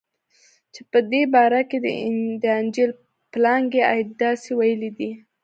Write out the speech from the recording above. چې په دې باره کښې د انجيل پلانکى ايت داسې ويلي دي.